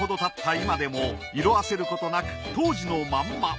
今でも色あせることなく当時のまんま。